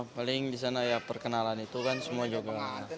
paling disana ya perkenalan itu kan semua juga